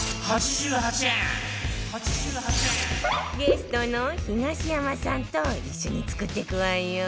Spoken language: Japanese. ゲストの東山さんと一緒に作っていくわよ